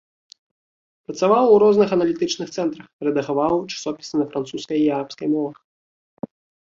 Працаваў у розных аналітычных цэнтрах, рэдагаваў часопісы на французскай і арабскай мовах.